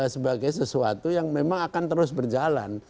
sebagai sesuatu yang memang akan terus berjalan